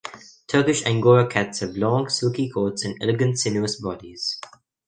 Turkish Angora cats have long, silky coats and elegant, sinuous bodies.